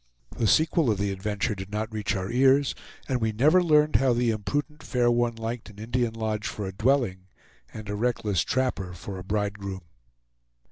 The sequel of the adventure did not reach our ears, and we never learned how the imprudent fair one liked an Indian lodge for a dwelling, and a reckless trapper for a bridegroom.